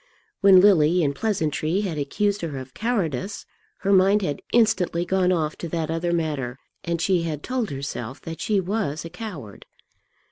When Lily in pleasantry had accused her of cowardice, her mind had instantly gone off to that other matter, and she had told herself that she was a coward.